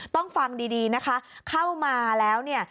ต้องฟังดีนะคะเข้ามาแล้วเนี่ย